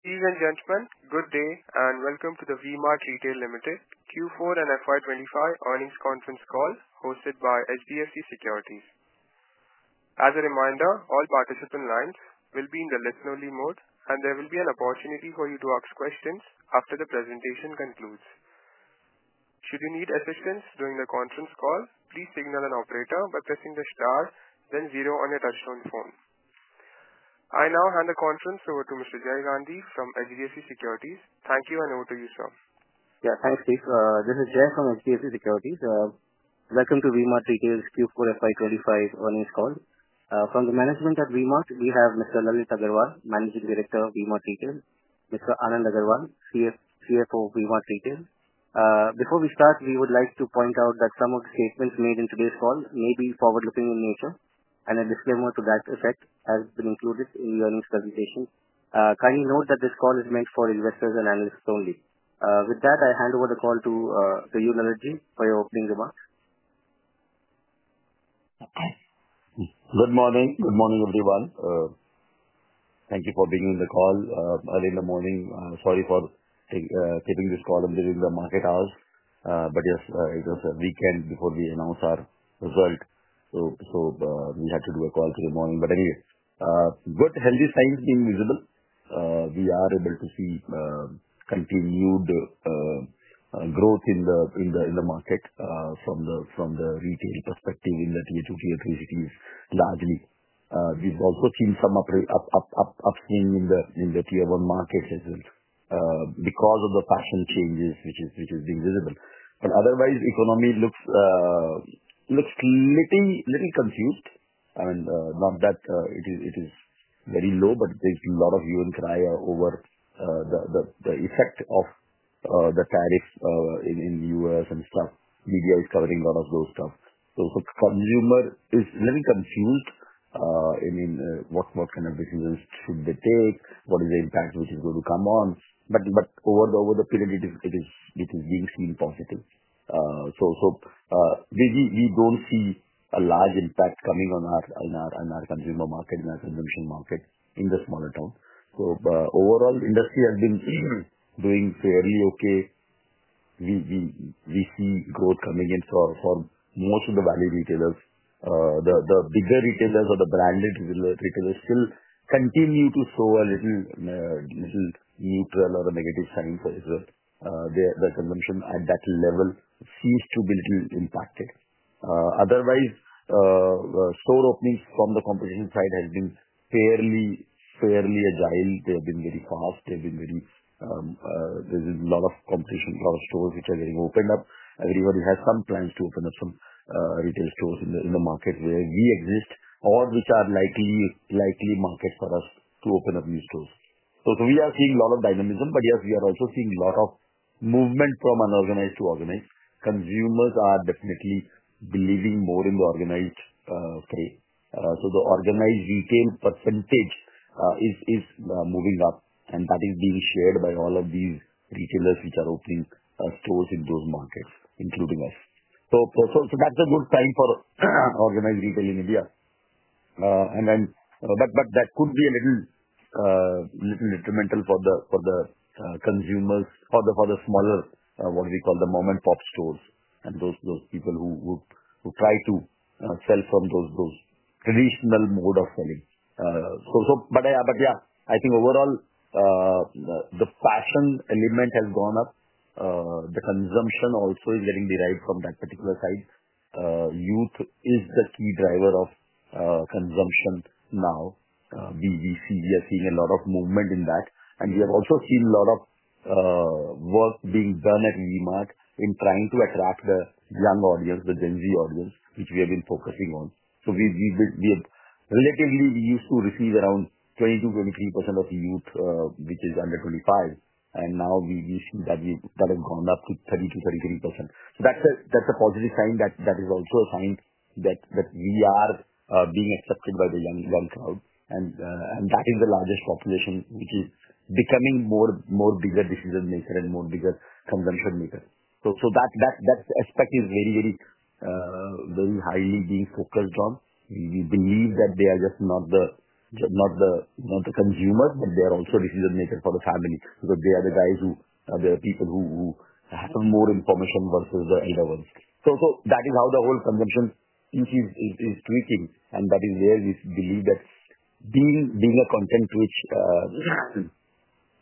Ladies and gentlemen, good day and welcome to the V-Mart Retail Ltd Q4 and FY25 earnings conference call hosted by HDFC Securities. As a reminder, all participant lines will be in the listen-only mode, and there will be an opportunity for you to ask questions after the presentation concludes. Should you need assistance during the conference call, please signal an operator by pressing the star, then zero on your touch-tone phone. I now hand the conference over to Mr. Jay Gandhi from HDFC Securities. Thank you, and over to you, sir. Yeah, thanks, Keith. This is Jay from HDFC Securities. Welcome to V-Mart Retail's Q4 FY25 earnings call. From the management at V-Mart, we have Mr. Lalit Agarwal, Managing Director of V-Mart Retail, Mr. Anand Agarwal, CFO of V-Mart Retail. Before we start, we would like to point out that some of the statements made in today's call may be forward-looking in nature, and a disclaimer to that effect has been included in the earnings presentation. Kindly note that this call is meant for investors and analysts only. With that, I hand over the call to you, Lalit Ji, for your opening remarks. Good morning. Good morning, everyone. Thank you for bringing the call early in the morning. Sorry for keeping this call in the market hours, but yes, it was a weekend before we announced our result, so we had to do a call today morning. Anyway, good, healthy signs being visible. We are able to see continued growth in the market from the retail perspective in the tier two, tier three cities largely. We have also seen some upswing in the tier one market because of the fashion changes which is being visible. Otherwise, the economy looks little confused. I mean, not that it is very low, but there is a lot of hue and cry over the effect of the tariffs in the U.S. and stuff. Media is covering a lot of those stuff. The consumer is a little confused in what kind of decisions should they take, what is the impact which is going to come on. Over the period, it is being seen positively. Maybe we do not see a large impact coming on our consumer market, in our consumption market in the smaller town. Overall, the industry has been doing fairly okay. We see growth coming in for most of the value retailers. The bigger retailers or the branded retailers still continue to show a little neutral or negative sign for the result. The consumption at that level seems to be a little impacted. Otherwise, store openings from the competition side have been fairly agile. They have been very fast. There is a lot of competition, a lot of stores which are getting opened up. Everybody has some plans to open up some retail stores in the market where we exist, or which are likely markets for us to open up new stores. We are seeing a lot of dynamism, but yes, we are also seeing a lot of movement from unorganized to organized. Consumers are definitely believing more in the organized trade. The organized retail percentage is moving up, and that is being shared by all of these retailers which are opening stores in those markets, including us. That is a good sign for organized retail in India. That could be a little detrimental for the consumers, for the smaller, what we call the mom-and-pop stores and those people who try to sell from those traditional mode of selling. I think overall, the fashion element has gone up. The consumption also is getting derived from that particular side. Youth is the key driver of consumption now. We are seeing a lot of movement in that. We have also seen a lot of work being done at V-Mart in trying to attract the young audience, the Gen Z audience, which we have been focusing on. Relatively, we used to receive around 20%-23% of youth which is under 25%, and now we see that has gone up to 30%-33%. That is a positive sign. That is also a sign that we are being accepted by the young crowd, and that is the largest population which is becoming more bigger decision-makers and more bigger consumption makers. That aspect is very highly being focused on. We believe that they are just not the consumers, but they are also decision-makers for the family because they are the people who have more information versus the elder ones. That is how the whole consumption is tweaking, and that is where we believe that being a content-rich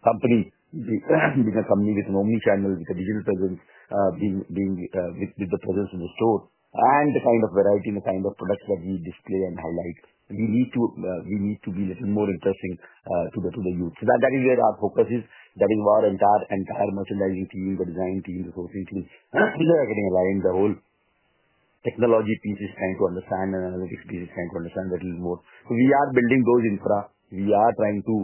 company, being a company with an omni-channel, with a digital presence, with the presence of the store, and the kind of variety and the kind of products that we display and highlight, we need to be a little more interesting to the youth. That is where our focus is. That is why our entire merchandising team, the design team, the sourcing team, they are getting aligned. The whole technology piece is trying to understand, and analytics piece is trying to understand a little more. We are building those infra. We are trying to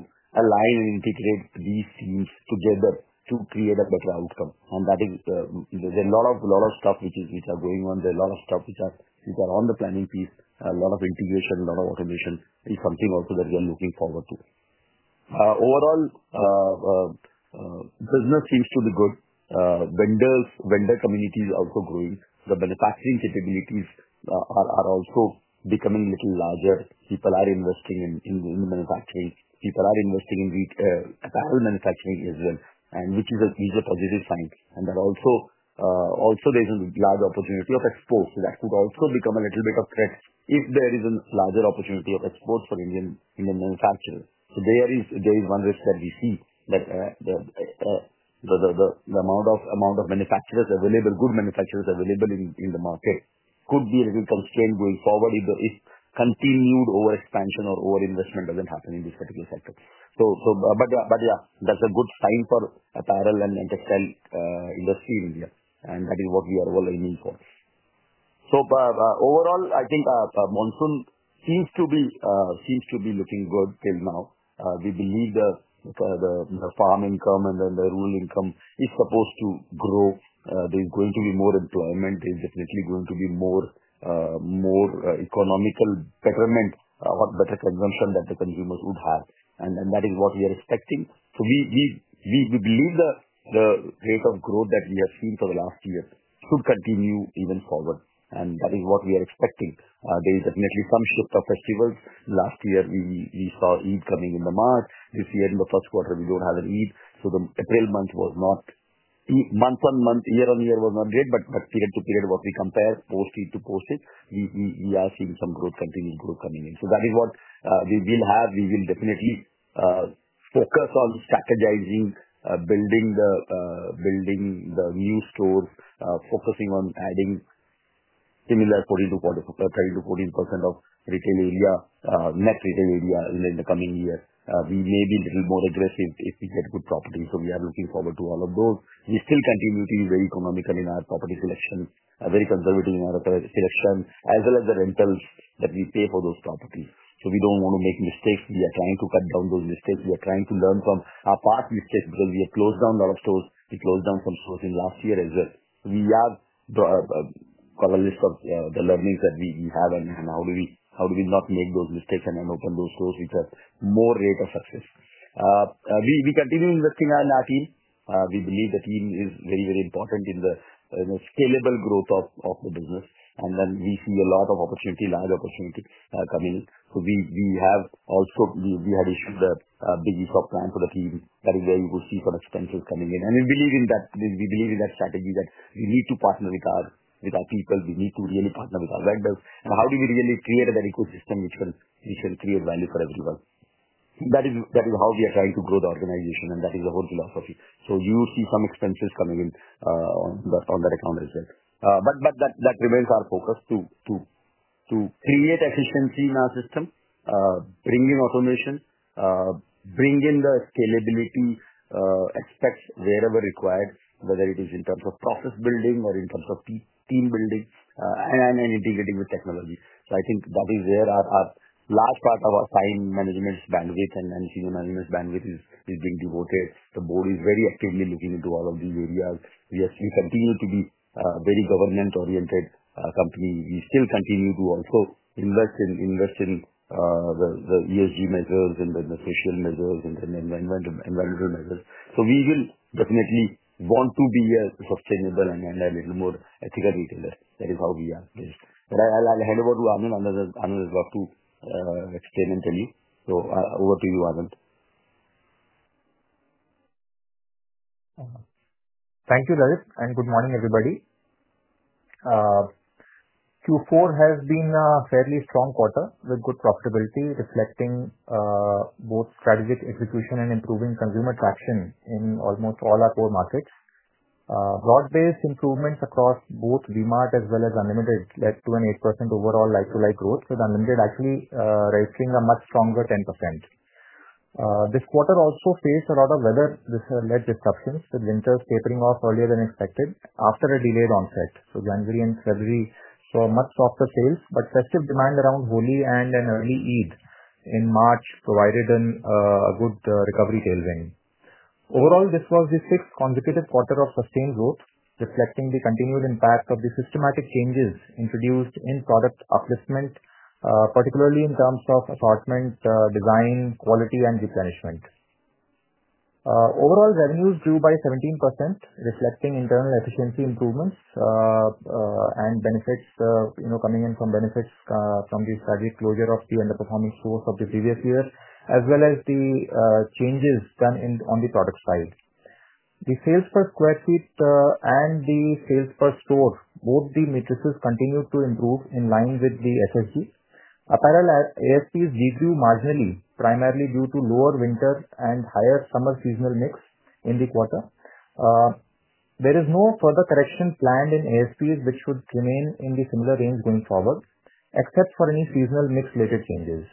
align and integrate these teams together to create a better outcome. There is a lot of stuff which is going on. There is a lot of stuff which is on the planning piece. A lot of integration, a lot of automation is something also that we are looking forward to. Overall, business seems to be good. Vendor community is also growing. The manufacturing capabilities are also becoming a little larger. People are investing in manufacturing. People are investing in apparel manufacturing as well, which is a positive sign. There is also a large opportunity of exports. That could also become a little bit of a threat if there is a larger opportunity of exports for Indian manufacturers. There is one risk that we see that the amount of manufacturers available, good manufacturers available in the market could be a little constraint going forward if continued overexpansion or overinvestment does not happen in this particular sector. Yeah, that is a good sign for apparel and textile industry in India, and that is what we are all aiming for. Overall, I think monsoon seems to be looking good till now. We believe the farm income and then the rural income is supposed to grow. There is going to be more employment. There is definitely going to be more economical betterment or better consumption that the consumers would have, and that is what we are expecting. We believe the rate of growth that we have seen for the last year should continue even forward, and that is what we are expecting. There is definitely some shift of festivals. Last year, we saw Eid coming in the mark. This year, in the first quarter, we do not have an Eid. The April month was not—month on month, year on year was not great, but period to period, what we compare post-Eid to post-Eid, we are seeing some continued growth coming in. That is what we will have. We will definitely focus on strategizing, building the new stores, focusing on adding similar 40%-44% of retail area, net retail area in the coming year. We may be a little more aggressive if we get good properties. We are looking forward to all of those. We still continue to be very economical in our property selection, very conservative in our selection, as well as the rentals that we pay for those properties. We do not want to make mistakes. We are trying to cut down those mistakes. We are trying to learn from our past mistakes because we have closed down a lot of stores. We closed down some stores in last year as well. We have got a list of the learnings that we have, and how do we not make those mistakes and open those stores which have more rate of success? We continue investing in our team. We believe the team is very, very important in the scalable growth of the business, and we see a lot of opportunity, large opportunity coming. We have also—we had issued a big ESOP plan for the team. That is where you will see some expenses coming in. We believe in that. We believe in that strategy that we need to partner with our people. We need to really partner with our vendors. How do we really create a better ecosystem which will create value for everyone? That is how we are trying to grow the organization, and that is the whole philosophy. You will see some expenses coming in on that account as well. That remains our focus to create efficiency in our system, bring in automation, bring in the scalability aspects wherever required, whether it is in terms of process building or in terms of team building and integrating with technology. I think that is where a large part of our time management bandwidth and senior management bandwidth is being devoted. The board is very actively looking into all of these areas. We continue to be a very government-oriented company. We still continue to also invest in the ESG measures and the social measures and the environmental measures. We will definitely want to be a sustainable and a little more ethical retailer. That is how we are based. I'll hand over to Anand. Anand has got to explain and tell you. Over to you, Anand. Thank you, Lalit, and good morning, everybody. Q4 has been a fairly strong quarter with good profitability reflecting both strategic execution and improving consumer traction in almost all our core markets. Broad-based improvements across both V-Mart as well as Unlimited led to an 8% overall like-to-like growth, with Unlimited actually registering a much stronger 10%. This quarter also faced a lot of weather-led disruptions, with winters tapering off earlier than expected after a delayed onset. January and February saw much softer sales, but festive demand around Holi and early Eid in March provided a good recovery tailwind. Overall, this was the sixth consecutive quarter of sustained growth, reflecting the continued impact of the systematic changes introduced in product upliftment, particularly in terms of assortment design, quality, and replenishment. Overall revenues grew by 17%, reflecting internal efficiency improvements and benefits coming in from the strategic closure of the underperforming stores of the previous year, as well as the changes done on the product side. The sales per square feet and the sales per store, both the matrices, continued to improve in line with the SSG. Apparel ASPs decreased marginally, primarily due to lower winter and higher summer seasonal mix in the quarter. There is no further correction planned in ASPs, which should remain in the similar range going forward, except for any seasonal mix-related changes.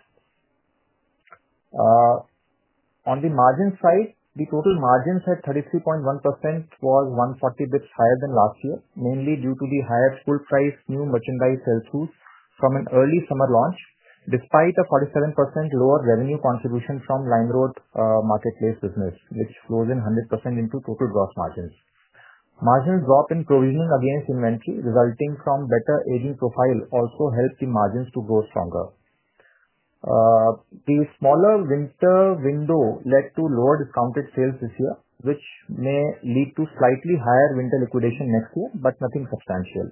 On the margin side, the total margins at 33.1% was 140 basis points higher than last year, mainly due to the higher full-price new merchandise sales through from an early summer launch, despite a 47% lower revenue contribution from LimeRoad marketplace business, which flows in 100% into total gross margins. Margin drop in provisioning against inventory resulting from better aging profile also helped the margins to grow stronger. The smaller winter window led to lower discounted sales this year, which may lead to slightly higher winter liquidation next year, but nothing substantial.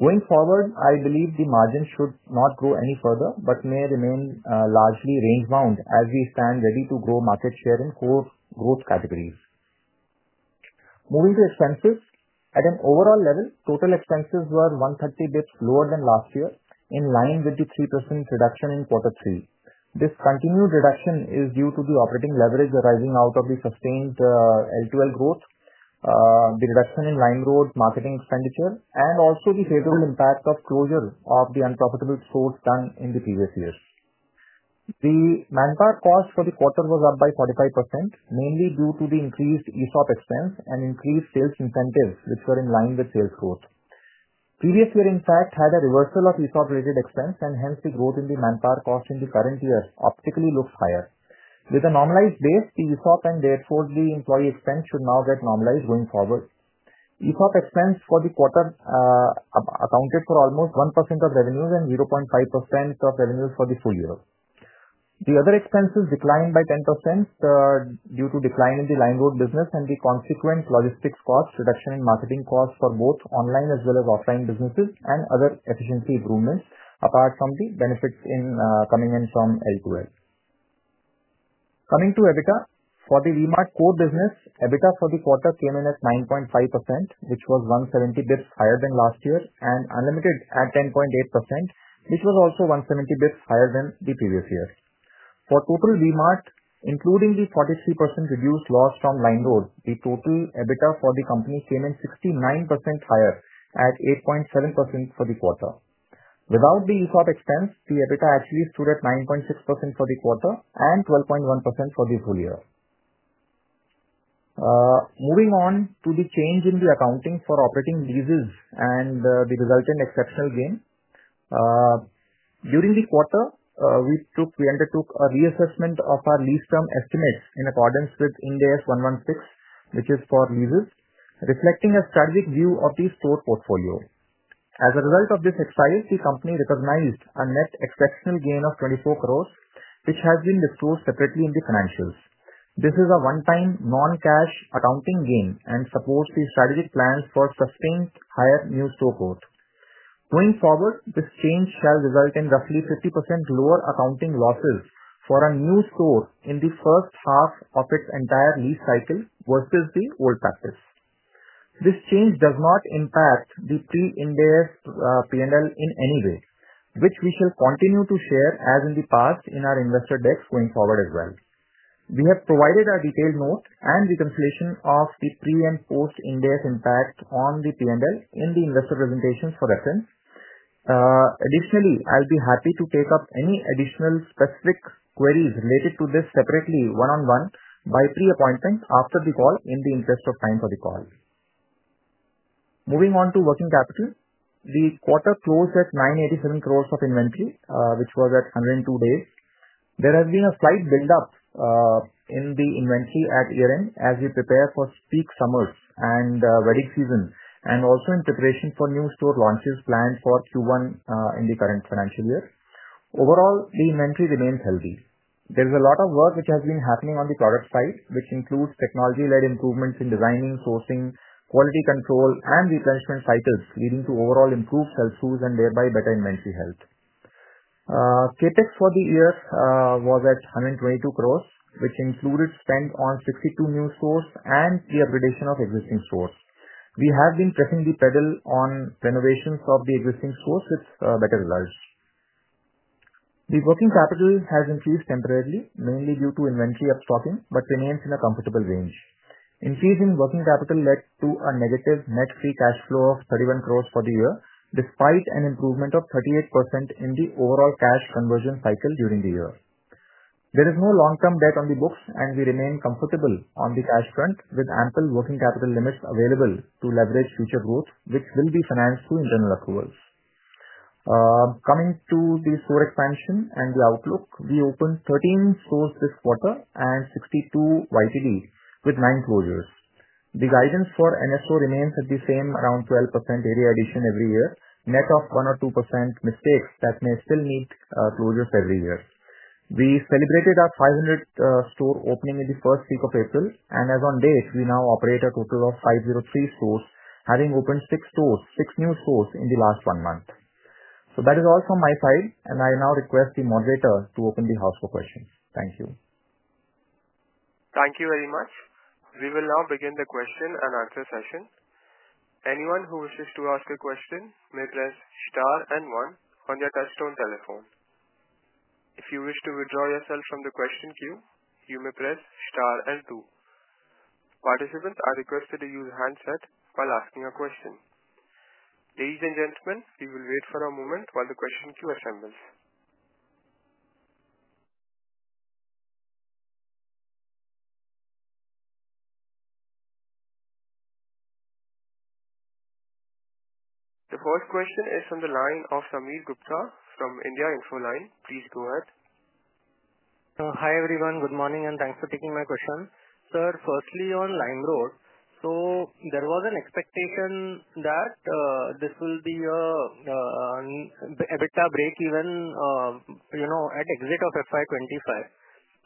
Going forward, I believe the margins should not grow any further, but may remain largely range-bound as we stand ready to grow market share in core growth categories. Moving to expenses, at an overall level, total expenses were 130 basis points lower than last year, in line with the 3% reduction in quarter three. This continued reduction is due to the operating leverage arising out of the sustained L2L growth, the reduction in LimeRoad marketing expenditure, and also the favorable impact of closure of the unprofitable stores done in the previous years. The manpower cost for the quarter was up by 45%, mainly due to the increased ESOP expense and increased sales incentives, which were in line with sales growth. Previous year, in fact, had a reversal of ESOP-related expense, and hence the growth in the manpower cost in the current year optically looks higher. With a normalized base, the ESOP and therefore the employee expense should now get normalized going forward. ESOP expense for the quarter accounted for almost 1% of revenues and 0.5% of revenues for the full year. The other expenses declined by 10% due to decline in the LimeRoad business and the consequent logistics cost reduction in marketing costs for both online as well as offline businesses and other efficiency improvements apart from the benefits coming in from L2L. Coming to EBITDA, for the V-Mart core business, EBITDA for the quarter came in at 9.5%, which was 170 basis points higher than last year, and Unlimited at 10.8%, which was also 170 basis points higher than the previous year. For total V-Mart, including the 43% reduced loss from LimeRoad, the total EBITDA for the company came in 69% higher at 8.7% for the quarter. Without the ESOP expense, the EBITDA actually stood at 9.6% for the quarter and 12.1% for the full year. Moving on to the change in the accounting for operating leases and the resultant exceptional gain. During the quarter, we undertook a reassessment of our lease term estimates in accordance with IND AS 116, which is for leases, reflecting a strategic view of the store portfolio. As a result of this excise, the company recognized a net exceptional gain of 24 crore which has been disclosed separately in the financials. This is a one-time non-cash accounting gain and supports the strategic plans for sustained higher new store growth. Going forward, this change shall result in roughly 50% lower accounting losses for a new store in the first half of its entire lease cycle versus the old practice. This change does not impact the pre-IND AS 116 P&L in any way, which we shall continue to share as in the past in our investor decks going forward as well. We have provided a detailed note and reconciliation of the pre- and post-IND AS 116 impact on the P&L in the investor presentations for reference. Additionally, I'll be happy to take up any additional specific queries related to this separately one-on-one by pre-appointment after the call in the interest of time for the call. Moving on to working capital, the quarter closed at 987 crore of inventory, which was at 102 days. There has been a slight build-up in the inventory at year-end as we prepare for peak summers and wedding season and also in preparation for new store launches planned for Q1 in the current financial year. Overall, the inventory remains healthy. There's a lot of work which has been happening on the product side, which includes technology-led improvements in designing, sourcing, quality control, and replenishment cycles leading to overall improved sales through and thereby better inventory health. CapEx for the year was at 122 crore, which included spend on 62 new stores and the upgradation of existing stores. We have been pressing the pedal on renovations of the existing stores with better results. The working capital has increased temporarily, mainly due to inventory upstocking, but remains in a comfortable range. Increase in working capital led to a negative net free cash flow of 122 crore for the year, despite an improvement of 38% in the overall cash conversion cycle during the year. There is no long-term debt on the books, and we remain comfortable on the cash front with ample working capital limits available to leverage future growth, which will be financed through internal approvals. Coming to the store expansion and the outlook, we opened 13 stores this quarter and 62 year to date with nine closures. The guidance for NSO remains at the same around 12% area addition every year, net of 1%-2% mistakes that may still need closures every year. We celebrated our 500 store opening in the first week of April, and as on date, we now operate a total of 503 stores, having opened six new stores in the last one month. That is all from my side, and I now request the moderator to open the house for questions. Thank you. Thank you very much. We will now begin the question and answer session. Anyone who wishes to ask a question may press star and one on your touchstone telephone. If you wish to withdraw yourself from the question queue, you may press star and two. Participants are requested to use handset while asking a question. Ladies and gentlemen, we will wait for a moment while the question queue assembles. The first question is from the line of Sameer Gupta from India Infoline. Please go ahead. Hi everyone. Good morning and thanks for taking my question. Sir, firstly on LimeRoad, there was an expectation that this will be an EBITDA break even at exit of FY2025.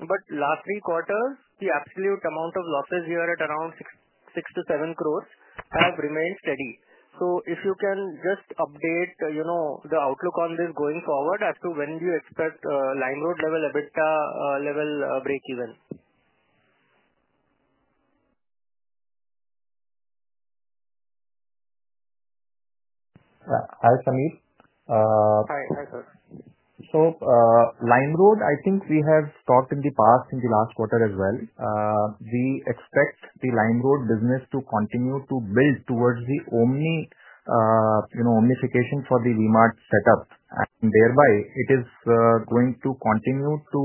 The last three quarters, the absolute amount of losses here at around 60 million-70 million have remained steady. If you can just update the outlook on this going forward as to when do you expect LimeRoad level EBITDA level break even. Hi, Sameer. Hi, hi sir. LimeRoad, I think we have talked in the past in the last quarter as well. We expect the LimeRoad business to continue to build towards the omnification for the V-Mart setup, and thereby it is going to continue to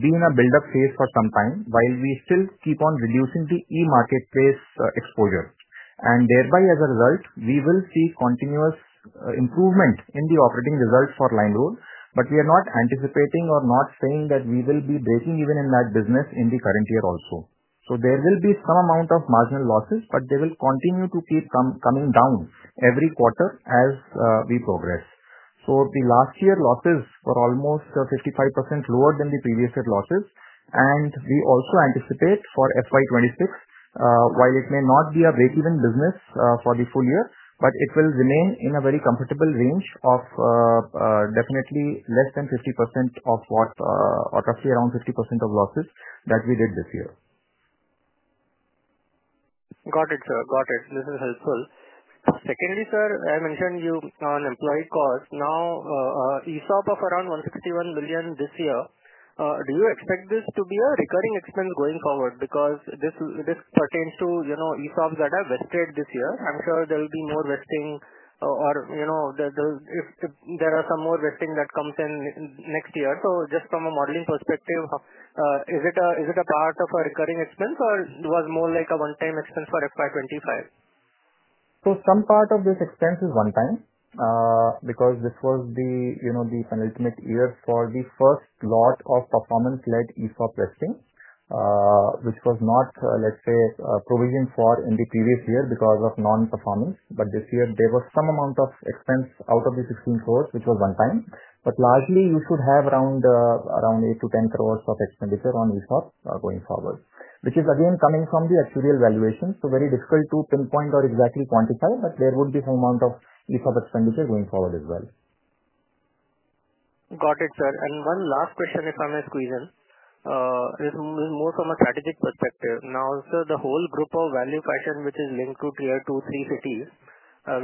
be in a build-up phase for some time while we still keep on reducing the e-marketplace exposure. Thereby, as a result, we will see continuous improvement in the operating results for LimeRoad, but we are not anticipating or not saying that we will be breaking even in that business in the current year also. There will be some amount of marginal losses, but they will continue to keep coming down every quarter as we progress. The last year losses were almost 55% lower than the previous year losses, and we also anticipate for FY 2026, while it may not be a break-even business for the full year, but it will remain in a very comfortable range of definitely less than 50% of what, roughly around 50% of losses that we did this year. Got it, sir. Got it. This is helpful. Secondly, sir, I mentioned you on employee cost. Now, ESOP of around 161 million this year, do you expect this to be a recurring expense going forward? Because this pertains to ESOPs that have vested this year. I'm sure there will be more vesting or if there are some more vesting that comes in next year. Just from a modeling perspective, is it a part of a recurring expense or was more like a one-time expense for FY2025? Some part of this expense is one-time because this was the penultimate year for the first lot of performance-led ESOP vesting, which was not, let's say, provisioned for in the previous year because of non-performance. This year, there was some amount of expense out of the 160 million, which was one-time. Largely, you should have around 80 million-100 million of expenditure on ESOP going forward, which is again coming from the actuarial valuation. It is very difficult to pinpoint or exactly quantify, but there would be some amount of ESOP expenditure going forward as well. Got it, sir. One last question, if I may squeeze in, is more from a strategic perspective. Now, sir, the whole group of value fashion, which is linked to tier two, three cities,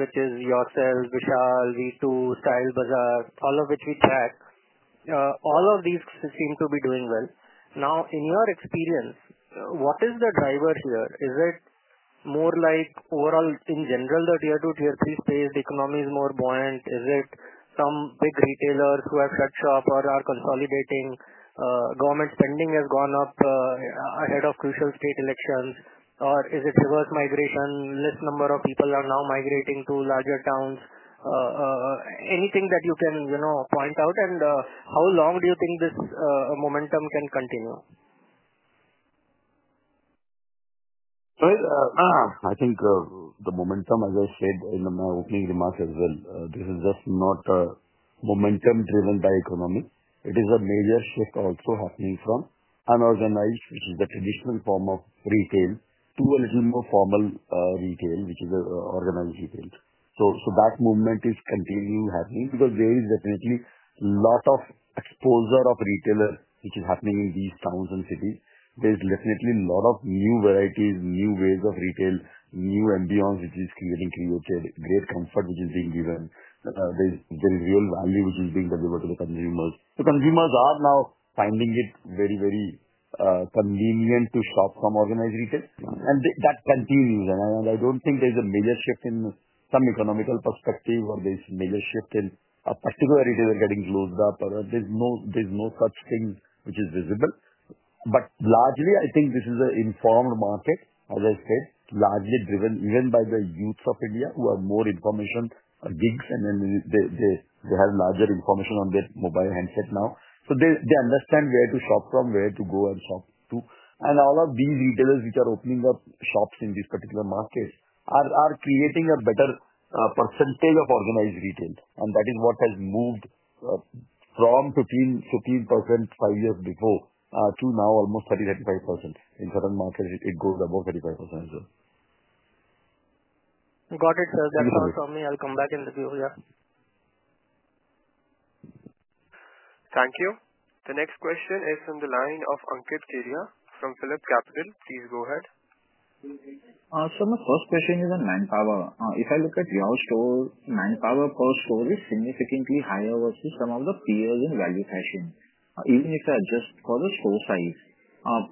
which is yourself, Vishal, V2, Style Bazaar, all of which we track, all of these seem to be doing well. In your experience, what is the driver here? Is it more like overall, in general, the tier two, tier three space, the economy is more buoyant? Is it some big retailers who have shut shop or are consolidating? Government spending has gone up ahead of crucial state elections, or is it reverse migration? Less number of people are now migrating to larger towns? Anything that you can point out, and how long do you think this momentum can continue? I think the momentum, as I said in my opening remarks as well, this is just not a momentum driven by economy. It is a major shift also happening from unorganized, which is the traditional form of retail, to a little more formal retail, which is organized retail. That movement is continuing to happen because there is definitely a lot of exposure of retailer, which is happening in these towns and cities. There is definitely a lot of new varieties, new ways of retail, new ambiance, which is creating great comfort, which is being given. There is real value, which is being delivered to the consumers. The consumers are now finding it very, very convenient to shop from organized retail, and that continues. I don't think there's a major shift in some economical perspective or there's a major shift in a particular retailer getting closed up, or there's no such thing which is visible. Largely, I think this is an informed market, as I said, largely driven even by the youths of India who have more information gigs, and then they have larger information on their mobile handset now. They understand where to shop from, where to go and shop to. All of these retailers which are opening up shops in these particular markets are creating a better percentage of organized retail, and that is what has moved from 15% five years before to now almost 30%-35%. In certain markets, it goes above 35% as well. Got it, sir. That's all from me. I'll come back in the queue. Yeah. Thank you. The next question is from the line of Ankit Cheriya from Philip Capital. Please go ahead. My first question is on manpower. If I look at your store, manpower per store is significantly higher versus some of the peers in value fashion, even if I adjust for the store size.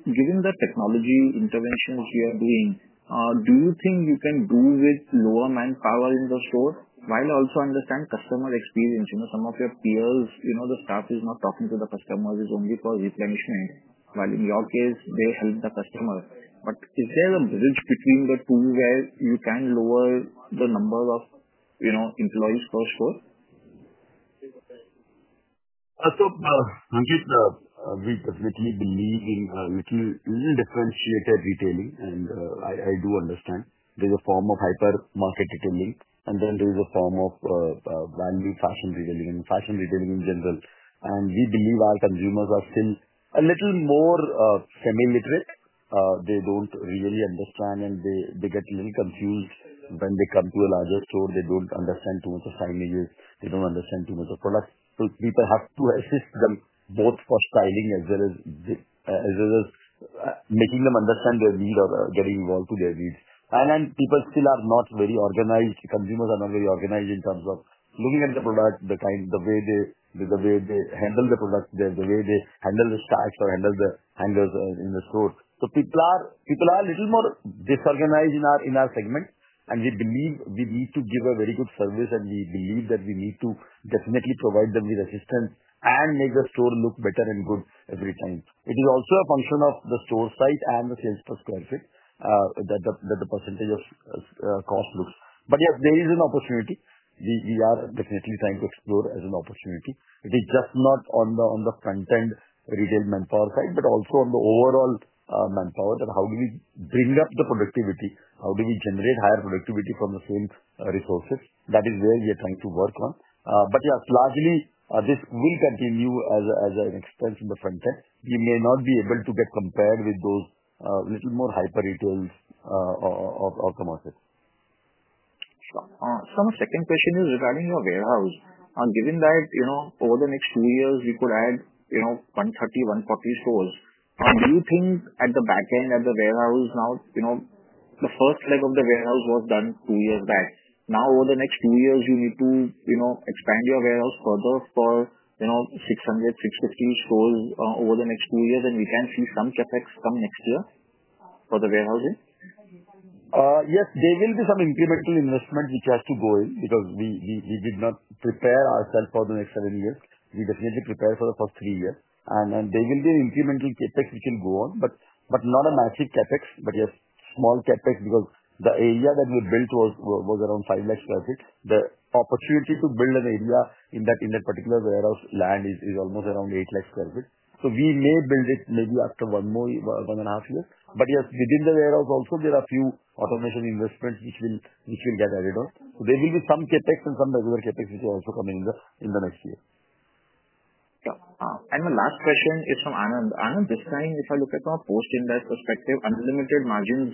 Given the technology interventions we are doing, do you think you can do with lower manpower in the store while also understanding customer experience? Some of your peers, the staff is not talking to the customers; it is only for replenishment, while in your case, they help the customer. Is there a bridge between the two where you can lower the number of employees per store? Ankit, we definitely believe in little differentiated retailing, and I do understand. There's a form of hyper-market retailing, and then there's a form of value fashion retailing and fashion retailing in general. We believe our consumers are still a little more semi-literate. They don't really understand, and they get a little confused when they come to a larger store. They don't understand too much of signages. They don't understand too much of products. People have to assist them both for styling as well as making them understand their need or getting involved to their needs. People still are not very organized. Consumers are not very organized in terms of looking at the product, the way they handle the product, the way they handle the stacks or handle the hangers in the store. People are a little more disorganized in our segment, and we believe we need to give a very good service, and we believe that we need to definitely provide them with assistance and make the store look better and good every time. It is also a function of the store site and the sales per square feet that the percentage of cost looks. Yes, there is an opportunity. We are definitely trying to explore as an opportunity. It is just not on the front-end retail manpower side, but also on the overall manpower that how do we bring up the productivity? How do we generate higher productivity from the same resources? That is where we are trying to work on. Yes, largely this will continue as an expense in the front-end. We may not be able to get compared with those little more hyper-retails or commercial. Some second question is regarding your warehouse. Given that over the next two years, we could add 130-140 stores, do you think at the back end at the warehouse now, the first leg of the warehouse was done two years back? Now, over the next two years, you need to expand your warehouse further for 600-650 stores over the next two years, and we can see some CapEx come next year for the warehousing? Yes, there will be some incremental investment which has to go in because we did not prepare ourselves for the next seven years. We definitely prepare for the first three years. There will be an incremental CapEx which will go on, but not a massive CapEx, but yes, small CapEx because the area that we built was around 500,000 sq ft. The opportunity to build an area in that particular warehouse land is almost around 800,000 sq ft. We may build it maybe after one and a half years. Yes, within the warehouse also, there are a few automation investments which will get added on. There will be some CapEx and some regular CapEx which will also come in the next year. My last question is for Anand. Anand, this time, if I look at from a post-index perspective, Unlimited margins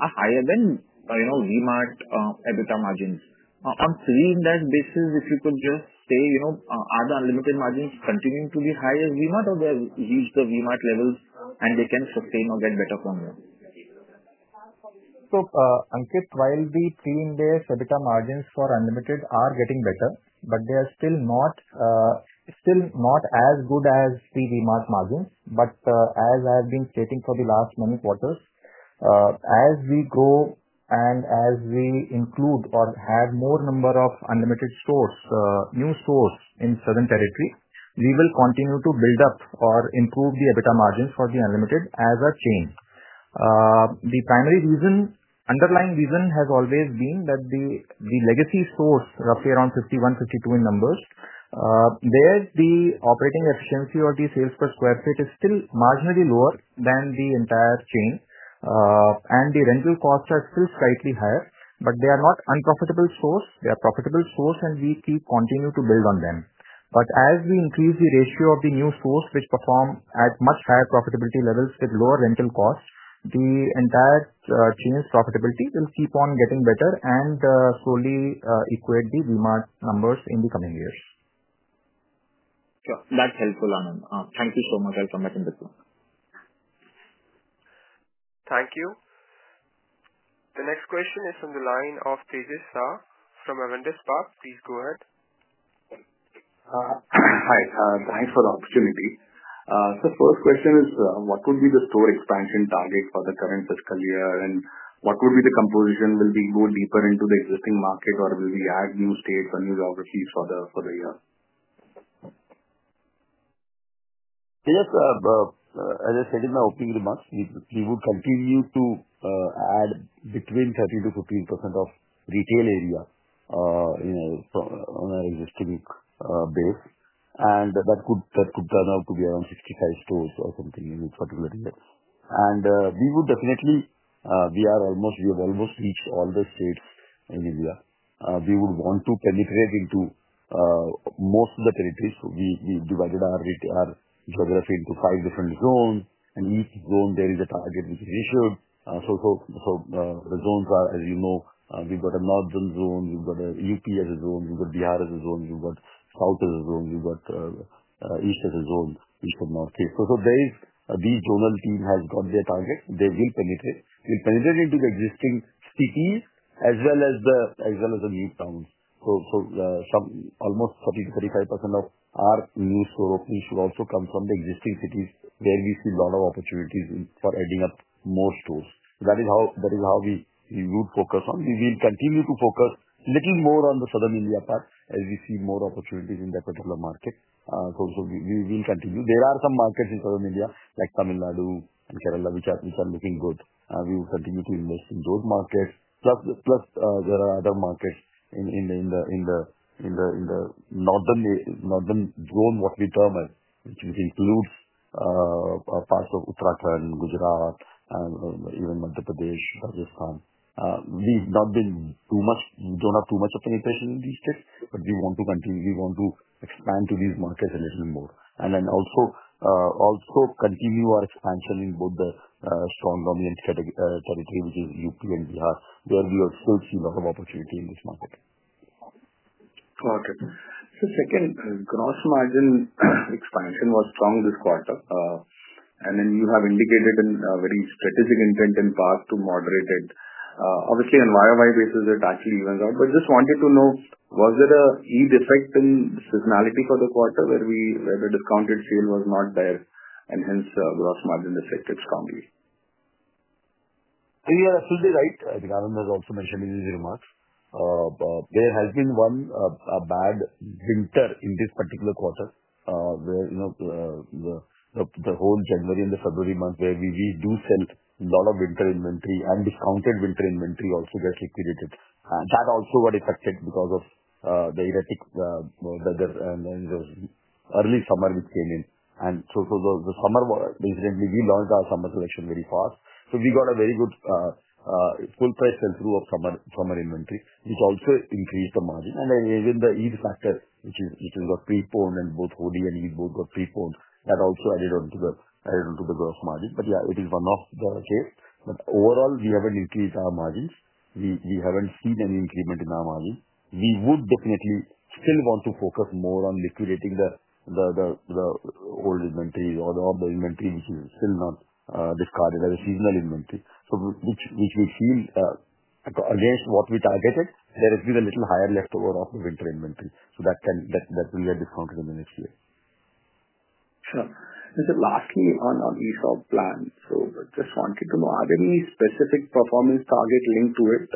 are higher than V-Mart EBITDA margins. On pre-index basis, if you could just say, are the Unlimited margins continuing to be high as V-Mart, or have reached the V-Mart levels, and they can sustain or get better from there? Ankit, while the pre-index EBITDA margins for Unlimited are getting better, they are still not as good as the V-Mart margins. As I have been stating for the last many quarters, as we grow and as we include or have more Unlimited stores, new stores in the southern territory, we will continue to build up or improve the EBITDA margins for Unlimited as a chain. The primary reason, underlying reason has always been that the legacy stores, roughly around 51-52 in number, where the operating efficiency or the sales per sq ft is still marginally lower than the entire chain, and the rental costs are still slightly higher. They are not unprofitable stores. They are profitable stores, and we keep continuing to build on them. As we increase the ratio of the new stores which perform at much higher profitability levels with lower rental costs, the entire chain's profitability will keep on getting better and slowly equate the V-Mart numbers in the coming years. Sure. That's helpful, Anand. Thank you so much. I'll come back in the queue. Thank you. The next question is from the line of Tejes Sah from Avendus Capital. Please go ahead. Hi. Thanks for the opportunity. First question is, what would be the store expansion target for the current fiscal year, and what would be the composition? Will we go deeper into the existing market, or will we add new states or new geographies for the year? Yes, as I said in my opening remarks, we would continue to add between 30%-48% of retail area on our existing base. That could turn out to be around 65 stores or something in this particular year. We would definitely—we have almost reached all the states in India. We would want to penetrate into most of the territories. We divided our geography into five different zones, and each zone, there is a target which is issued. The zones are, as you know, we've got a North Zone, we've got UP as a zone, we've got Bihar as a zone, we've got South as a zone, we've got East as a zone, East and North East. These zonal teams have got their target. They will penetrate. We'll penetrate into the existing cities as well as the new towns. Almost 30%-35% of our new store openings should also come from the existing cities where we see a lot of opportunities for adding up more stores. That is how we would focus on. We will continue to focus a little more on the southern India part as we see more opportunities in that particular market. We will continue. There are some markets in southern India, like Tamil Nadu and Kerala, which are looking good. We will continue to invest in those markets. Plus, there are other markets in the northern zone, what we termed, which includes parts of Uttarakhand, Gujarat, and even Madhya Pradesh, Rajasthan. We have not been too much—we do not have too much of penetration in these states, but we want to continue, we want to expand to these markets a little more. We will also continue our expansion in both the strong dominant territory, which is UP and Bihar, where we still see a lot of opportunity in this market. Okay. Second, gross margin expansion was strong this quarter. You have indicated a very strategic intent in part to moderate it. Obviously, on a year-over-year basis, it actually evens out. I just wanted to know, was there a heat effect in the seasonality for the quarter where the discounted sale was not there, and hence gross margin affected strongly? Yeah, absolutely right. I think Anand has also mentioned in his remarks. There has been one bad winter in this particular quarter where the whole January and the February month where we do sell a lot of winter inventory and discounted winter inventory also gets liquidated. That also got affected because of the erratic weather and the early summer which came in. The summer incidentally, we launched our summer collection very fast. We got a very good full-price sell-through of summer inventory, which also increased the margin. Even the heat factor, which has got preponed, and both Hodi and Easport got preponed, that also added on to the gross margin. Yeah, it is one of the cases. Overall, we haven't increased our margins. We haven't seen any increment in our margin. We would definitely still want to focus more on liquidating the old inventory or the inventory which is still not discarded as a seasonal inventory, which we feel against what we targeted, there has been a little higher leftover of the winter inventory. That will get discounted in the next year. Sure. Lastly, on the e-stock plan, just wanted to know, are there any specific performance targets linked to it?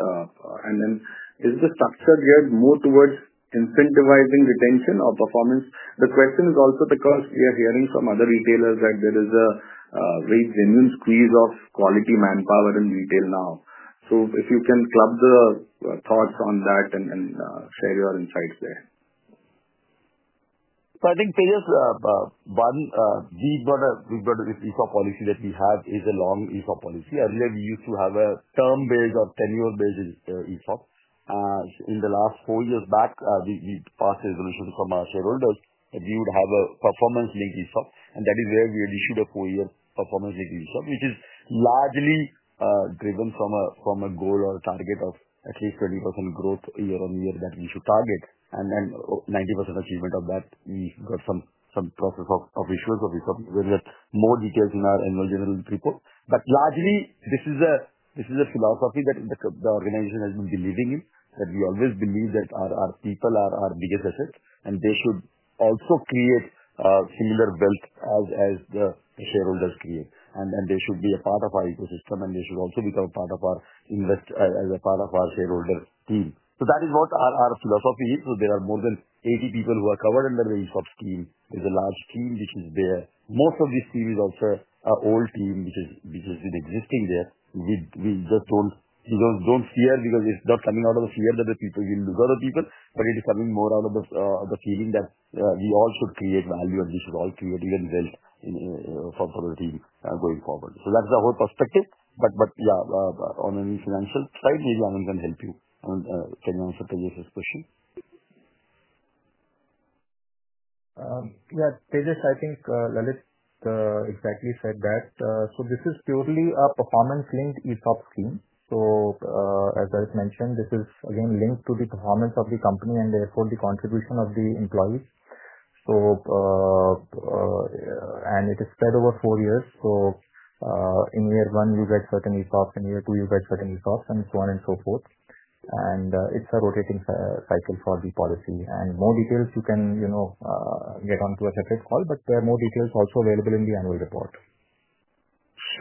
Is the structure geared more towards incentivizing retention or performance? The question is also because we are hearing from other retailers that there is a very genuine squeeze of quality manpower in retail now. If you can club the thoughts on that and share your insights there. I think Tejes, one, we've got this e-stock policy that we have is a long e-stock policy. Earlier, we used to have a term-based or tenure-based e-stock. In the last four years back, we passed a resolution from our shareholders that we would have a performance-linked e-stock. That is where we had issued a four-year performance-linked e-stock, which is largely driven from a goal or target of at least 20% growth year on year that we should target. Then 90% achievement of that, we've got some process of issuance of e-stock. There are more details in our annual general report. Largely, this is a philosophy that the organization has been believing in, that we always believe that our people are our biggest asset, and they should also create similar wealth as the shareholders create. They should be a part of our ecosystem, and they should also become a part of our invest as a part of our shareholder team. That is what our philosophy is. There are more than 80 people who are covered under the e-stocks team. There is a large team which is there. Most of this team is also an old team which has been existing there. We just do not fear because it is not coming out of the fear that the people will look at the people, but it is coming more out of the feeling that we all should create value, and we should all create even wealth for the team going forward. That is the whole perspective. Yeah, on any financial side, maybe Anand can help you. Can you answer Tejes's question? Yeah. Tejes, I think Lalit exactly said that. This is purely a performance-linked e-stock scheme. As Lalit mentioned, this is again linked to the performance of the company and therefore the contribution of the employees. It is spread over four years. In year one, you get certain e-stocks. In year two, you get certain e-stocks, and so on and so forth. It's a rotating cycle for the policy. More details, you can get onto a separate call, but there are more details also available in the annual report.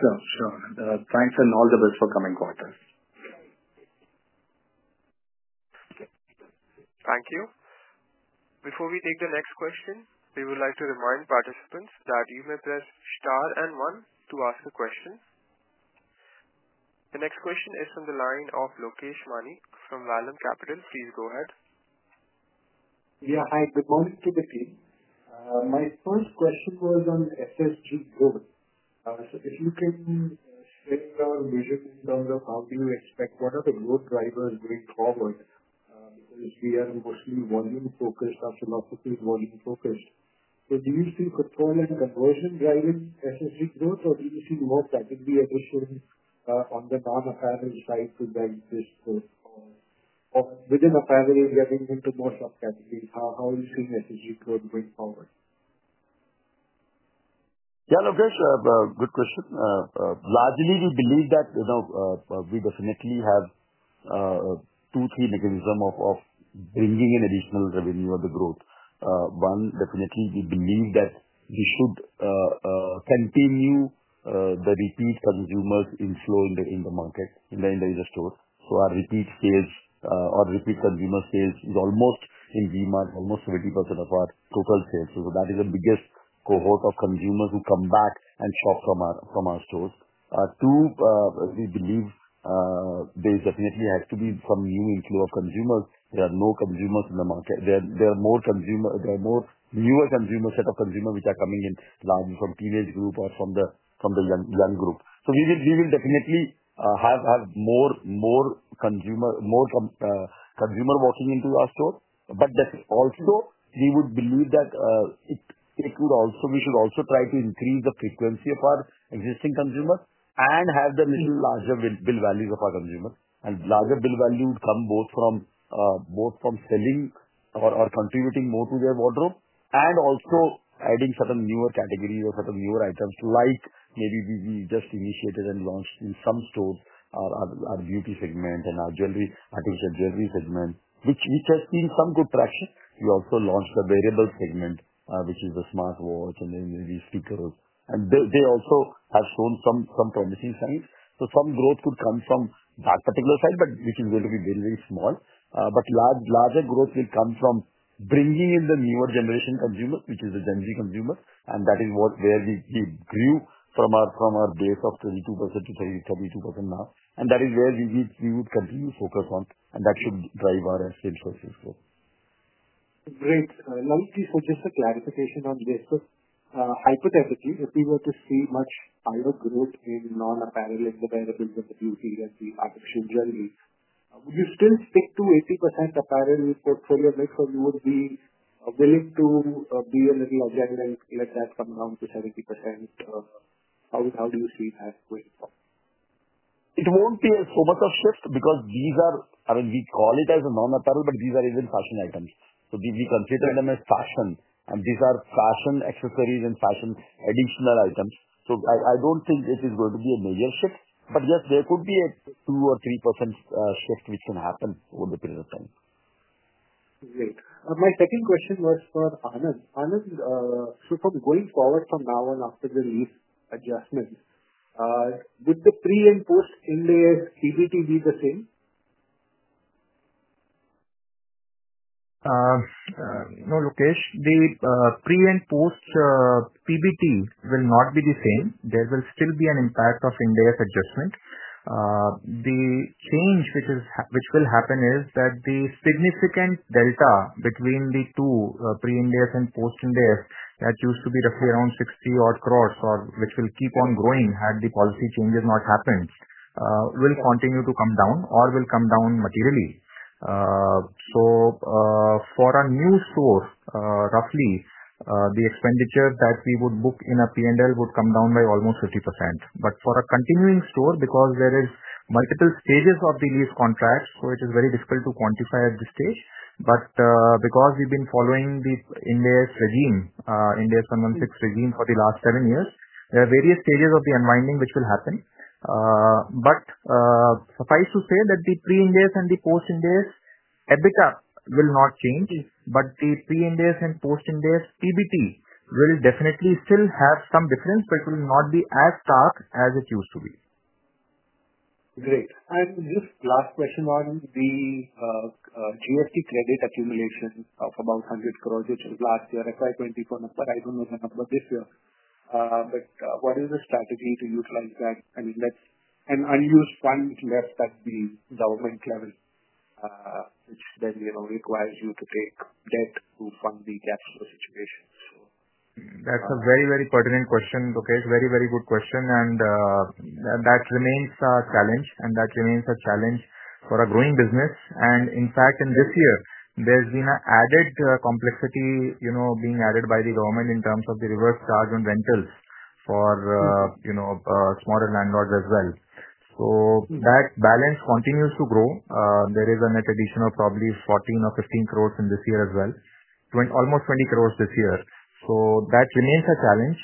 Sure. Thanks and all the best for the coming quarter. Thank you. Before we take the next question, we would like to remind participants that you may press star and one to ask a question. The next question is from the line of Lokesh Manik from Vallum Capital. Please go ahead. Yeah. Hi. Good morning to the team. My first question was on SSG growth. If you can share our vision in terms of how do you expect, what are the growth drivers going forward, because we are mostly volume-focused, our philosophy is volume-focused. Do you see control and conversion driving SSG growth, or do you see more category addition on the non-apparel side to guide this growth, or within apparel, we are getting into more subcategories? How are you seeing SSG growth going forward? Yeah. Lokesh, good question. Largely, we believe that we definitely have two, three mechanisms of bringing in additional revenue or the growth. One, definitely, we believe that we should continue the repeat consumers' inflow in the market, in the stores. Our repeat sales or repeat consumer sales is almost in V-Mart, almost 70% of our total sales. That is the biggest cohort of consumers who come back and shop from our stores. Two, we believe there definitely has to be some new inflow of consumers. There are no consumers in the market. There are more newer consumers, set of consumers which are coming in, largely from teenage group or from the young group. We will definitely have more consumer walking into our store. We would believe that we should also try to increase the frequency of our existing consumers and have the middle larger bill values of our consumers. Larger bill value would come both from selling or contributing more to their wardrobe and also adding certain newer categories or certain newer items, like maybe we just initiated and launched in some stores, our beauty segment and our artificial jewelry segment, which has seen some good traction. We also launched a variable segment, which is the smartwatch and the speakers. They also have shown some promising signs. Some growth could come from that particular side, which is going to be very, very small. Larger growth will come from bringing in the newer generation consumers, which is the Gen Z consumers. That is where we grew from our base of 22% to 32% now. That is where we would continue to focus on, and that should drive our sales for this growth. Great. Lalit, please suggest a clarification on this. Hypothetically, if we were to see much higher growth in non-apparel in the variables of the beauty and the artificial jewelry, would you still stick to 80% apparel portfolio mix, or you would be willing to be a little agile and let that come down to 70%? How do you see that going forward? It won't be so much of a shift because these are—I mean, we call it as a non-apparel, but these are even fashion items. So we consider them as fashion, and these are fashion accessories and fashion additional items. I don't think it is going to be a major shift. Yes, there could be a 2%-3% shift which can happen over the period of time. Great. My second question was for Anand. Anand, from going forward from now on after the lease adjustment, would the pre and post index PBT be the same? No, Lokesh. The pre and post PBT will not be the same. There will still be an impact of index adjustment. The change which will happen is that the significant delta between the two pre-index and post-index, that used to be roughly around 600 million, which will keep on growing had the policy changes not happened, will continue to come down or will come down materially. For a new store, roughly, the expenditure that we would book in a P&L would come down by almost 50%. For a continuing store, because there are multiple stages of the lease contract, it is very difficult to quantify at this stage. Because we've been following the index regime, IND AS 116 regime for the last seven years, there are various stages of the unwinding which will happen. Suffice to say that the pre-index and the post-index EBITDA will not change, but the pre-index and post-index PBT will definitely still have some difference, but it will not be as stark as it used to be. Great. Just last question on the GST credit accumulation of about 100 crore, which was last year, FY 2024 number. I do not know the number this year. What is the strategy to utilize that? I mean, that is an unused fund left at the government level, which then requires you to take debt to fund the gap store situation. That's a very, very pertinent question, Lokesh. Very, very good question. That remains a challenge, and that remains a challenge for a growing business. In fact, in this year, there has been an added complexity being added by the government in terms of the reverse charge on rentals for smaller landlords as well. That balance continues to grow. There is a net addition of probably 14 crore or 15 crore in this year as well, almost 20 crore this year. That remains a challenge.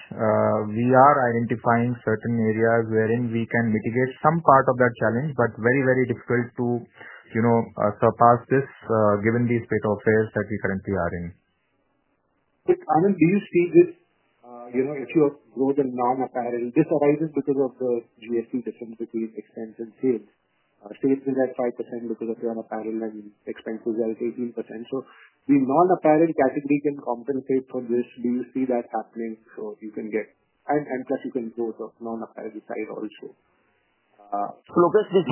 We are identifying certain areas wherein we can mitigate some part of that challenge, but very, very difficult to surpass this given the state of affairs that we currently are in. Anand, do you see this if you grow the non-apparel, this arises because of the GST difference between expense and sales? Sales is at 5% because of your apparel, and expenses are at 18%. The non-apparel category can compensate for this. Do you see that happening so you can get and plus you can grow the non-apparel side also? Lokesh, this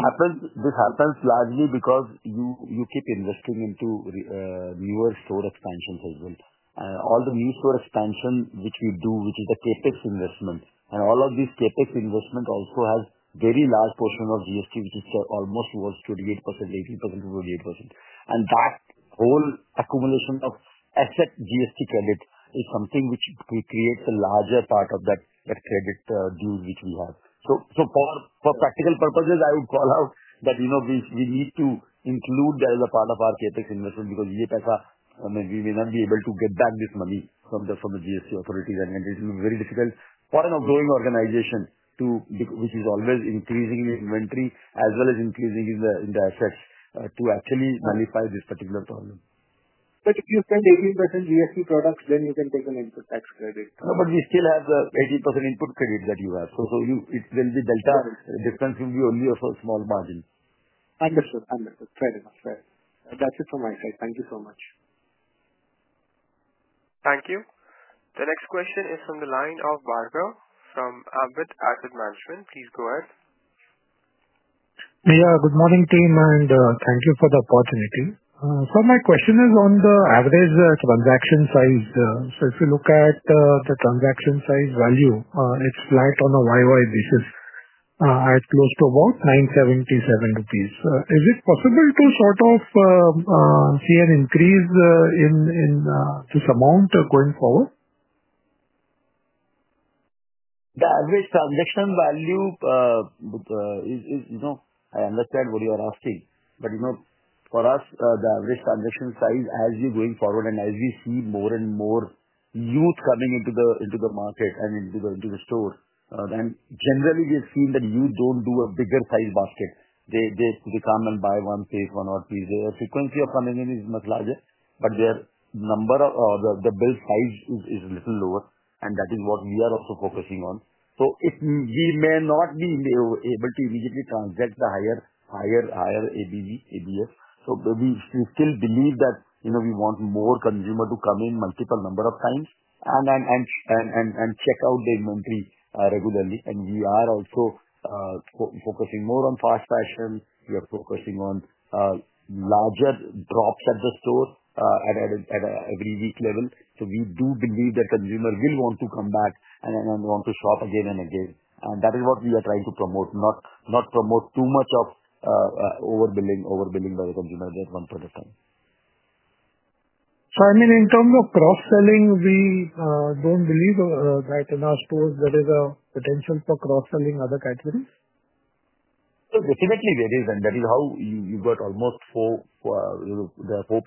happens largely because you keep investing into newer store expansions as well. All the new store expansion which we do, which is the CapEx investment, and all of these CapEx investment also has a very large portion of GST, which is almost towards 28%, 18%, 28%. That whole accumulation of asset GST credit is something which creates a larger part of that credit deal which we have. For practical purposes, I would call out that we need to include that as a part of our CapEx investment because we may not be able to get back this money from the GST authorities. It will be very difficult for an ongoing organization, which is always increasing the inventory as well as increasing in the assets, to actually nullify this particular problem. If you spend 18% GST products, then you can take an input tax credit. No, but we still have the 18% input credit that you have. It will be delta difference will be only a small margin. Understood. Very much. That's it from my side. Thank you so much. Thank you. The next question is from the line of Bhargav from Ambit Asset Management. Please go ahead. Yeah. Good morning, team. Thank you for the opportunity. My question is on the average transaction size. If you look at the transaction size value, it is flat on a year-over-year basis at close to about 977 crores. Is it possible to sort of see an increase in this amount going forward? The average transaction value is I understand what you are asking. For us, the average transaction size, as we're going forward and as we see more and more youth coming into the market and into the store, generally, we have seen that youth do not do a bigger size basket. They come and buy one piece, one or two. The frequency of coming in is much larger, but their number or the bill size is a little lower. That is what we are also focusing on. We may not be able to immediately transact the higher ABV, ABS. We still believe that we want more consumers to come in multiple number of times and check out the inventory regularly. We are also focusing more on fast fashion. We are focusing on larger drops at the store at an every-week level. We do believe that consumers will want to come back and want to shop again and again. That is what we are trying to promote, not promote too much of overbilling by the consumer at one point of time. I mean, in terms of cross-selling, we don't believe that in our stores there is a potential for cross-selling other categories. Definitely, there is. That is how you got almost four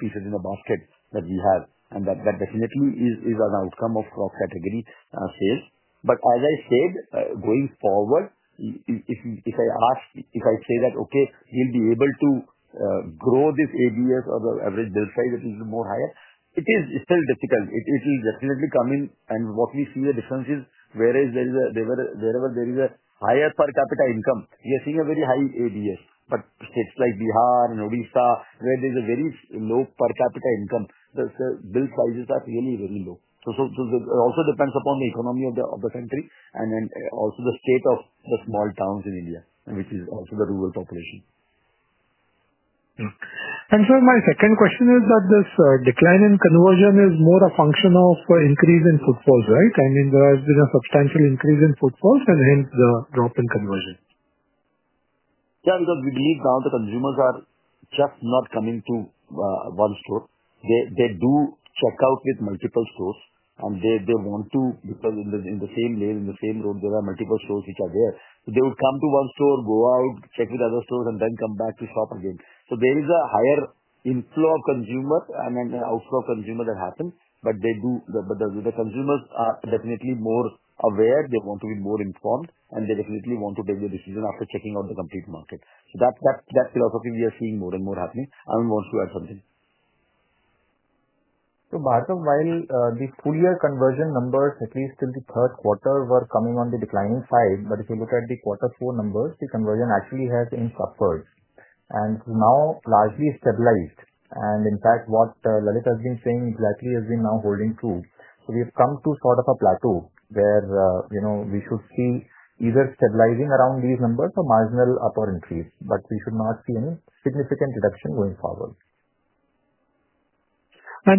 pieces in a basket that we have. That definitely is an outcome of cross-category sales. As I said, going forward, if I say that, okay, we will be able to grow this ABS or the average bill size that is more higher, it is still difficult. It will definitely come in. What we see the difference is wherever there is a higher per capita income, we are seeing a very high ABS. States like Bihar and Odisha, where there is a very low per capita income, the bill sizes are really, really low. It also depends upon the economy of the country and also the state of the small towns in India, which is also the rural population. My second question is that this decline in conversion is more a function of increase in footfalls, right? I mean, there has been a substantial increase in footfalls and hence the drop in conversion. Yeah. Because we believe now the consumers are just not coming to one store. They do check out with multiple stores, and they want to because in the same lane, in the same road, there are multiple stores which are there. They would come to one store, go out, check with other stores, and then come back to shop again. There is a higher inflow of consumers and an outflow of consumers that happens. The consumers are definitely more aware. They want to be more informed, and they definitely want to take the decision after checking out the complete market. That philosophy we are seeing more and more happening. Anand wants to add something. Bhargav, while the full year conversion numbers, at least till the third quarter, were coming on the declining side, if you look at the quarter four numbers, the conversion actually has not suffered. It has now largely stabilized. In fact, what Lalit has been saying exactly has been now holding true. We have come to sort of a plateau where we should see either stabilizing around these numbers or marginal up or increase, but we should not see any significant reduction going forward. My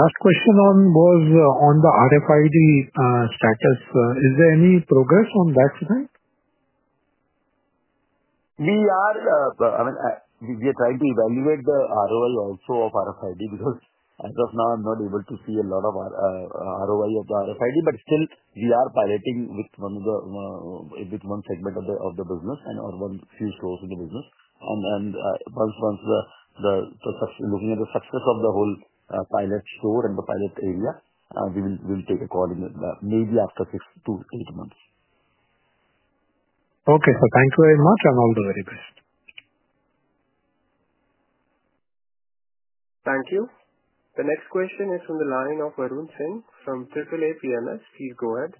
last question was on the RFID status. Is there any progress on that front? I mean, we are trying to evaluate the ROI also of RFID because as of now, I'm not able to see a lot of ROI of the RFID. We are still piloting with one segment of the business and/or one few stores in the business. Once looking at the success of the whole pilot store and the pilot area, we will take a call in maybe after six to eight months. Thank you very much. All the very best. Thank you. The next question is from the line of Varun Singh from AAA PMS. Please go ahead.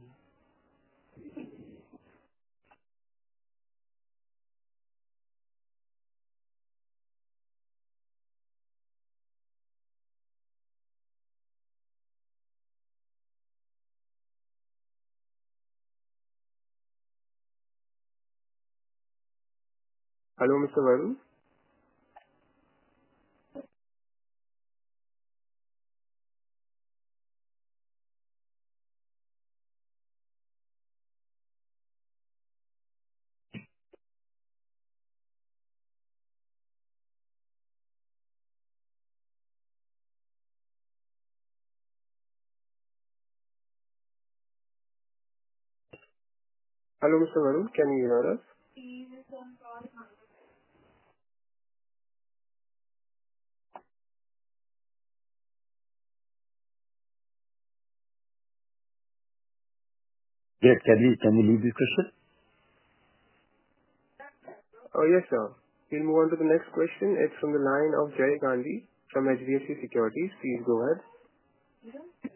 Hello, Mr. Varun. Hello, Mr. Varun. Can you hear us? Yes. Can we leave this question? Yes, sir. We'll move on to the next question. It's from the line of Jay Gandhi from HDFC Securities. Please go ahead.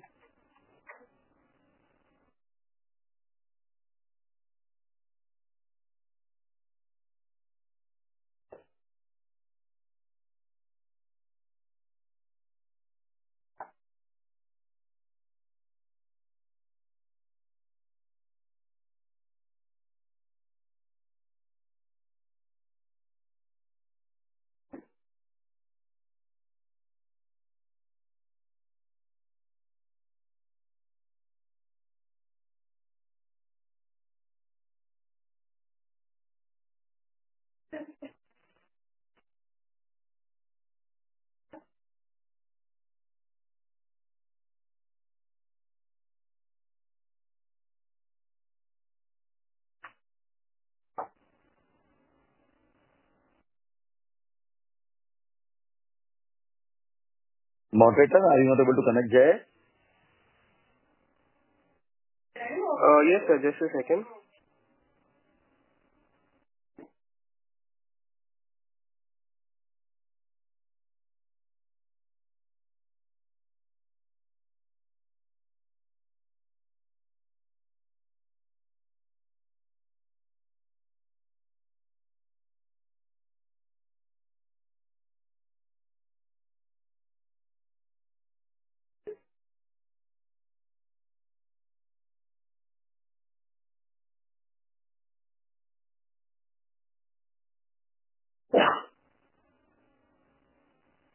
Moderator, are you not able to connect, Jay? Yes, sir. Just a second.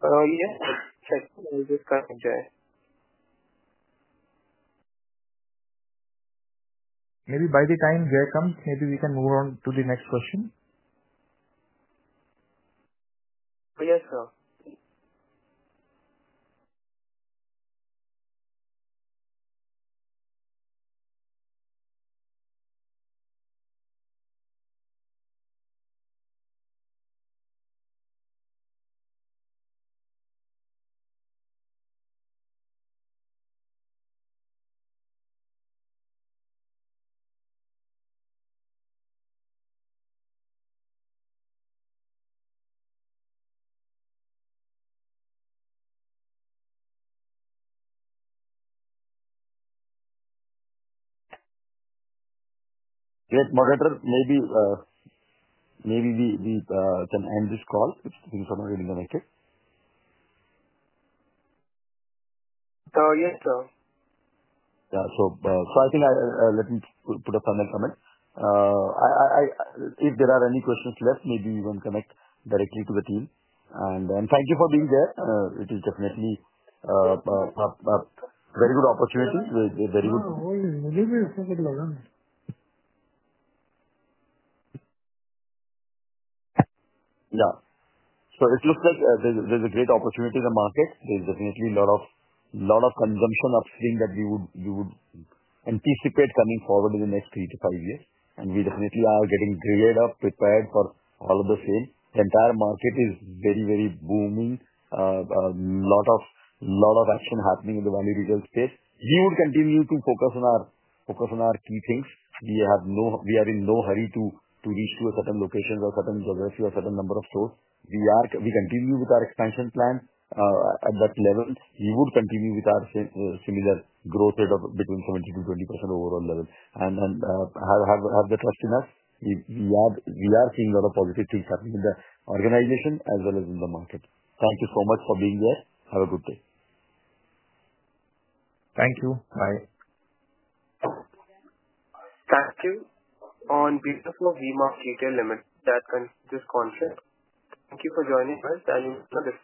Yeah. Are you there? I just got Jay. Maybe by the time Jay comes, maybe we can move on to the next question. Yes, sir. Yes, Moderator, maybe we can end this call if things are not really connected. Yes, sir. Yeah. I think let me put a final comment. If there are any questions left, maybe we can connect directly to the team. Thank you for being there. It is definitely a very good opportunity. You will be so good, Anand. Yeah. It looks like there is a great opportunity in the market. There is definitely a lot of consumption upstream that we would anticipate coming forward in the next three to five years. We definitely are getting geared up, prepared for all of the same. The entire market is very, very booming. A lot of action happening in the value retail space. We would continue to focus on our key things. We are in no hurry to reach to a certain location or a certain geography or a certain number of stores. We continue with our expansion plan at that level. We would continue with our similar growth rate of between 17%-20% overall level. Have the trust in us. We are seeing a lot of positive things happening in the organization as well as in the market. Thank you so much for being there. Have a good day. Thank you. Bye. Thank you on beautiful V-Mart Retail Limited. That concludes this conference. Thank you for joining us. You know this.